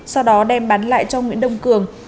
sau đó đem bán lại cho nguyễn đông cường